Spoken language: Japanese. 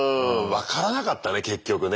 分からなかったね結局ね。